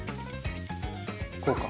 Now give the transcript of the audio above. こうか。